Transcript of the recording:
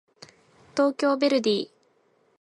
東京ヴェルディ